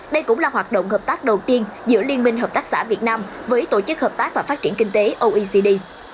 đây cũng là hoạt động hợp tác đầu tiên giữa liên minh hợp tác xã việt nam với tổ chức hợp tác và phát triển kinh tế oecd